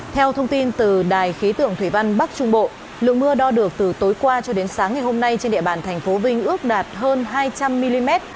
theo thông tin từ đài khí tượng thủy văn bắc trung bộ lượng mưa đo được từ tối qua cho đến sáng ngày hôm nay trên địa bàn thành phố vinh ước đạt hơn hai trăm linh mm